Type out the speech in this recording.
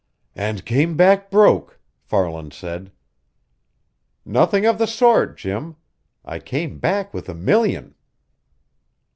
"And came back broke!" Farland said. "Nothing of the sort, Jim. I came back with a million."